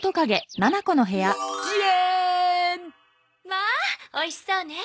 まあおいしそうね。